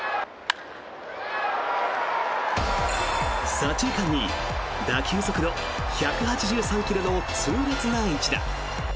左中間に打球速度１８３ｋｍの痛烈な一打。